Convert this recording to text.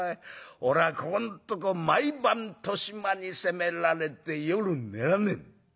俺はここんとこ毎晩年増にせめられて夜寝らんねえ」。